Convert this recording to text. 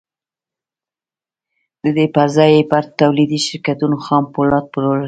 د دې پر ځای یې پر تولیدي شرکتونو خام پولاد پلورل